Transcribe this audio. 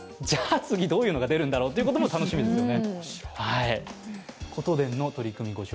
次、どういうのが出るのだろうというのが楽しみですね。